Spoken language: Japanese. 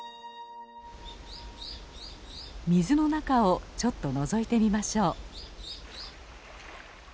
水の中をちょっとのぞいてみましょう。